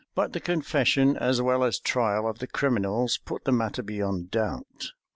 But the confession, as well as trial, of the criminals, put the matter beyond doubt.